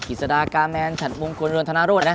ฮิศดาการ์แมนฉันมุมควรรณรวมธนารถ